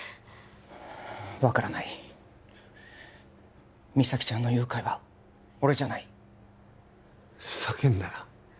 分からない実咲ちゃんの誘拐は俺じゃないふざけんなよ